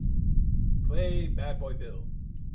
Play Bad Boy Bill